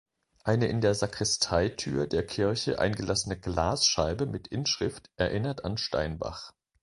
Eine in der Sakristeitür der Kirche eingelassene Glasscheibe mit Inschrift erinnert an Steinbach.